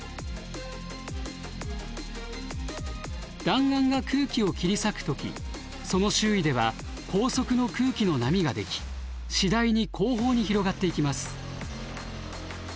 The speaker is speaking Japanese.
弾丸が空気を切り裂く時その周囲では高速の空気の波が出来次第に後方に広がっていきます。